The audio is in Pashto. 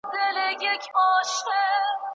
سیندونه به روان سي.